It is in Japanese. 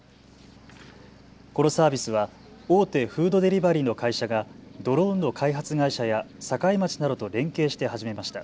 このサービスは大手フードデリバリーの会社がドローンの開発会社や境町などと連携して始めました。